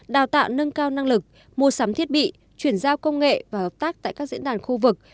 đào tạo nâng cao năng lực mua sắm thiết bị chuyển giao công nghệ và hợp tác tại các diễn đàn khu vực